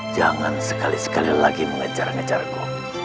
jangan sekali sekali lagi mengejar ngejar aku